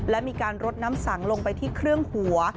และมีการรดน้ำสังลงไปที่เครื่องหัว